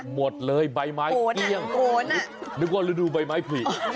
หมดเลยใบไม้เกลี้ยงคุณนึกว่าฤดูใบไม้ผลิ